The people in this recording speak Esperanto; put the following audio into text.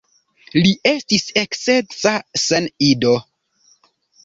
Li estis eksedza sen ido.